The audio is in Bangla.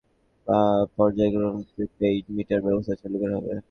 পানি ব্যবহারের অপচয় রোধে পর্যায়ক্রমে প্রিপেইড মিটার ব্যবস্থা চালু করা হবে।